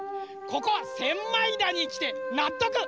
ここ千枚田にきてなっとく！